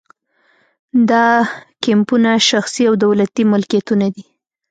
دا کیمپونه شخصي او دولتي ملکیتونه دي